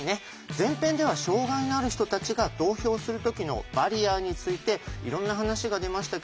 前編では障害のある人たちが投票する時のバリアについていろんな話が出ましたけど皆さん覚えてますか？